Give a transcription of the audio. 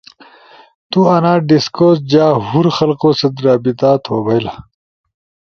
تو انا ڈیسکورس جا ہور خلقو ست رابطہ تو بھئیل